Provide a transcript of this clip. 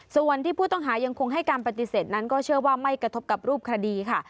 ส่วนที่ผู้ต้องหายังคงให้การปฏิเสธนั้นก็เชื่อว่าไม่กระทบกับรูปคดีค่ะ